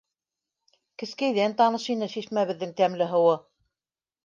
Кескәйҙән таныш ине шишмәбеҙҙең тәмле һыуы.